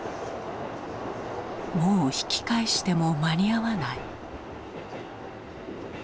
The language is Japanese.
もう引き返しても間に合わない。